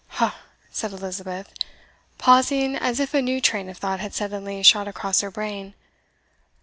"Ha!" said Elizabeth, pausing as if a new train of thought had suddenly shot across her brain.